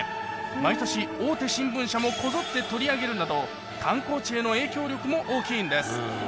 毎年大手新聞社もこぞって取り上げるなど観光地への影響力も大きいんです